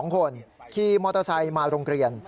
๒คนขี่มอเตอร์ไซค์มาโรงเรียน